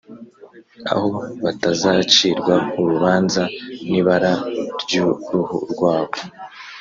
aho batazacirwa urubanza nibara ryuruhu rwabo